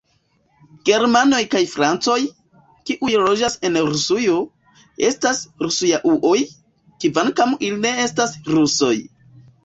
Germanoj kaj francoj, kiuj loĝas en Rusujo, estas Rusujauoj, kvankam ili ne estas rusoj.